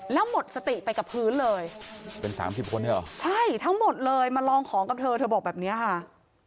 แล้วหมดสติไปกับพื้นเลยเป็นสามสิบคนใช่หรอ